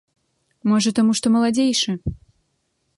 Можа, таму што маладзейшы.